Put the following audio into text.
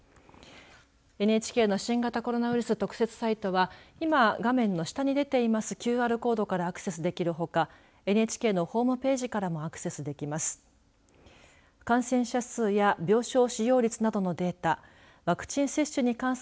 ＮＨＫの新型コロナウイルス特設サイトは今、画面の下に出ているＱＲコードからアクセスできるほかＮＨＫのホームページからもアクセスできます。